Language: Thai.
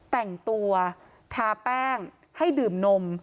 แต่งตัวทาแป้งให้ดื่มนม